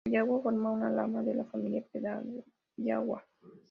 El yagua forma una rama de la familia peba-yagua.